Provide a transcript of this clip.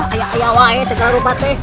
ayah ayah segera berubah